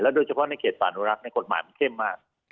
โดยเฉพาะในเขตป่านุรักษ์กฎหมายมันเข้มมาก